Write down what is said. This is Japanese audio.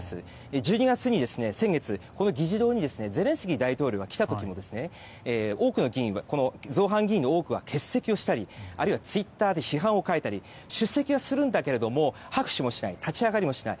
１２月に議事堂にゼレンスキー大統領が来た時も造反議員の多くが欠席をしたりあるいはツイッターで批判を書いたり出席はするんだけれども拍手もしない立ち上がりもしない。